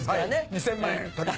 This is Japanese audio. ２０００万円取りに。